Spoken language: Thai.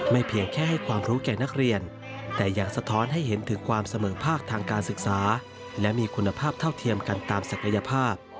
เพียงแค่ให้ความรู้แก่นักเรียนแต่ยังสะท้อนให้เห็นถึงความเสมอภาคทางการศึกษาและมีคุณภาพเท่าเทียมกันตามศักยภาพ